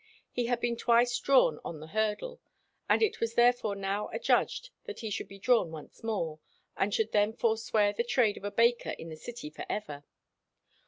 He had been twice drawn on the hurdle, and it was therefore now adjudged that he should be drawn once more, and should then forswear the trade of a baker in the city for ever.